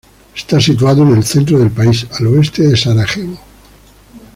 Está situado en el centro del país, al oeste de Sarajevo.